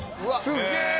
すげえ！